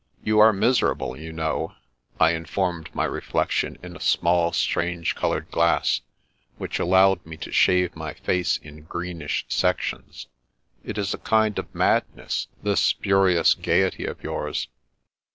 " You are miserable, you know," I informed my reflection in a small, strange coloured glass, which allowed me to shav6 my face in greenish sections. " It is a kind of madness, this spurious gaiety of yours."